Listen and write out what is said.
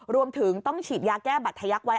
รวมถึงต้องฉีดยาแก้บัตรทะยักษ์ไว้